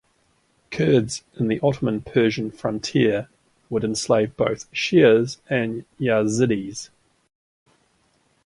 Kurds in the Ottoman–Persian frontier would enslave both Shias and Yazidis.